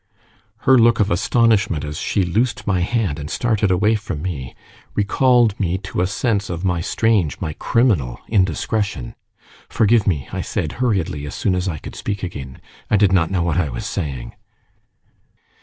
Her look of astonishment, as she loosed my hand and started away from me, recalled me to a sense of my strange, my criminal indiscretion. "Forgive me," I said, hurriedly, as soon as I could speak again; "I did not know what I was saying."